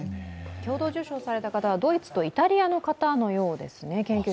共同受賞された方はドイツとイタリアの方ですね。